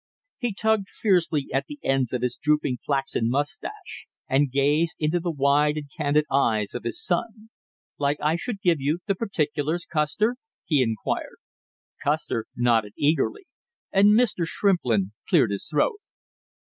He tugged fiercely at the ends of his drooping flaxen mustache and gazed into the wide and candid eyes of his son. "Like I should give you the particulars, Custer?" he inquired. Custer nodded eagerly, and Mr. Shrimplin cleared his throat.